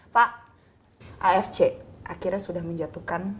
pak afc akhirnya sudah menjatuhkan